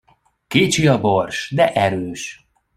Kicsi a bors, de erős.